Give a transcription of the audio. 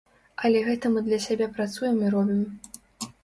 Але гэта мы для сябе працуем і робім.